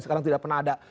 sekarang tidak pernah ada